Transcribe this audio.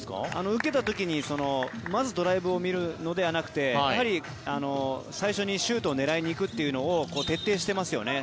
受けた時にまずドライブを見るのではなくてやはり、最初にシュートを狙いに行くというのを徹底していますよね。